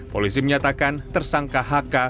polisi menyatakan tersangka hk